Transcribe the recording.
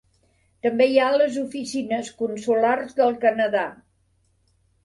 També hi ha les oficines consulars del Canadà.